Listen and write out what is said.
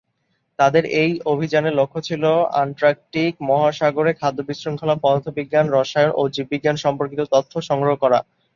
তাঁদের এই অভিযানের লক্ষ্য ছিল অ্যান্টার্কটিক মহাসাগরে খাদ্য শৃঙ্খলা পদার্থবিজ্ঞান, রসায়ন এবং জীববিজ্ঞান সম্পর্কিত তথ্য সংগ্রহ করা।